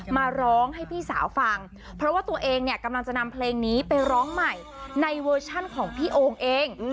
มาร้องให้พี่สาวฟังเพราะว่าตัวเองเนี่ยกำลังจะนำเพลงนี้ไปร้องใหม่ในเวอร์ชันของพี่โองเอง